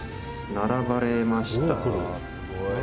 並ばれました」